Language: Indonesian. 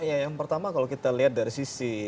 ya yang pertama kalau kita lihat dari sisi